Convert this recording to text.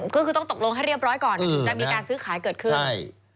ก็คือต้องตกลงให้เรียบร้อยก่อนถึงจะมีการซื้อขายเกิดขึ้น